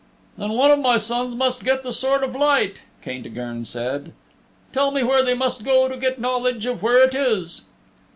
"Then one of my sons must get the Sword of Light," Caintigern said. "Tell me where they must go to get knowledge of where it is."